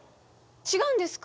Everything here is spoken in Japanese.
違うんですか？